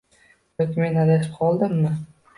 Yoki men adashib qoldimmi?